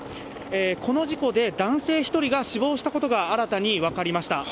この事故で男性１人が死亡したことが新たに分かりました。